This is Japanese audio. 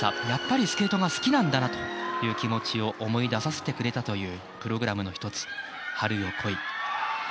やっぱりスケートが好きなんだという気持ちを思い出させてくれたというプログラムの一つ「春よ、来い」。